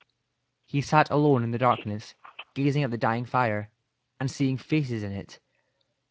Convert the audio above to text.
He sat alone in the darkness, gazing at the dying fire, and seeing faces in it.